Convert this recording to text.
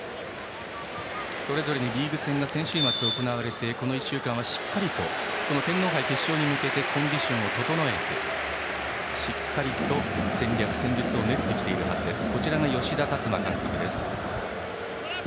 それぞれリーグ戦が先週末行われてこの１週間はしっかりと天皇杯決勝に向けてコンディションを整えてしっかりと戦略、戦術を練ってきているはずです。